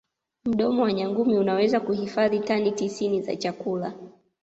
mdomo wa nyangumi unaweza kuhifazi tani tisini za chakula